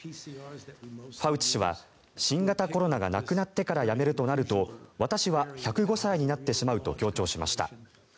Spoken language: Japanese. ファウチ氏は、新型コロナがなくなってから辞めるとなると私は１０５歳になってしまうと強調しました。